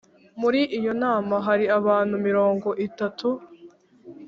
muri iyo nama hari abantu mirongo itatu